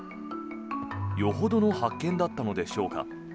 よほどの発見だったのでしょうか。